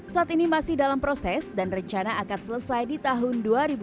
saat ini masih dalam proses dan rencana akan selesai di tahun dua ribu dua puluh